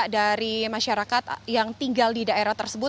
dari masyarakat yang tinggal di daerah tersebut